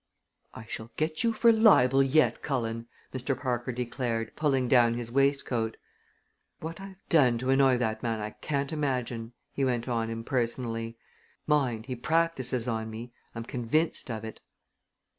"I shall get you for libel yet, Cullen!" Mr. Parker declared, pulling down his waistcoat. "What I've done to annoy that man I can't imagine," he went on impersonally. "Mind, he practises on me I'm convinced of it."